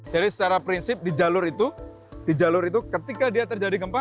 jadi secara prinsip di jalur itu ketika dia terjadi gempa